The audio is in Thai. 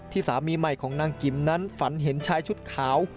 สามีใหม่ของนางกิมนั้นฝันเห็นชายชุดขาว